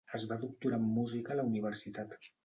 Es va doctorar en música a la universitat.